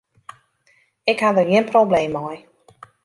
Ik ha der gjin probleem mei.